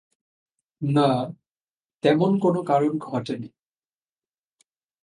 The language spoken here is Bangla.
না, তেমন কোনো কারণ ঘটে নি।